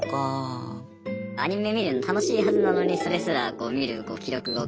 アニメ見るの楽しいはずなのにそれすら見る気力が起きないみたいな。